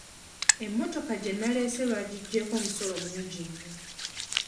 Emmotoka gye naleese bagiggyeko omusolo mungi nnyo.